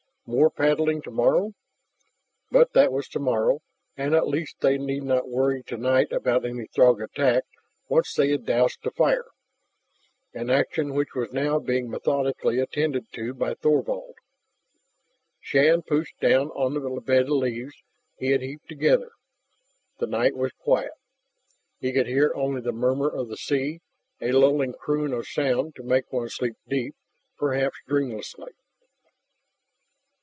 More paddling tomorrow? But that was tomorrow, and at least they need not worry tonight about any Throg attack once they had doused the fire, an action which was now being methodically attended to by Thorvald. Shann pushed down on the bed of leaves he had heaped together. The night was quiet. He could hear only the murmur of the sea, a lulling croon of sound to make one sleep deep, perhaps dreamlessly.